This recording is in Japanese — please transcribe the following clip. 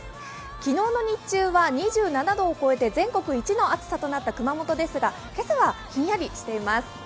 昨日の日中は２７度を超えて全国一の暑さとなった熊本ですが、今朝はひんやりしています。